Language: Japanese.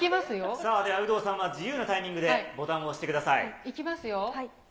さあでは有働さんは自由なタイミングでボタンを押してください。